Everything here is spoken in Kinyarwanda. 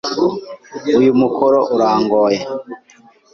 Uyu mukoro urangoye.